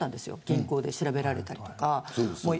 銀行で調べられたりとか。